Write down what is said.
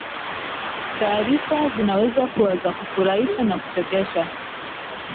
taarifa zinaweza kuwa za kufurahisha na kuchekesha